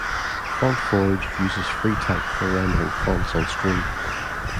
FontForge uses FreeType for rendering fonts on screen.